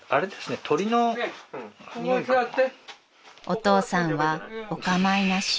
［お父さんはお構いなし］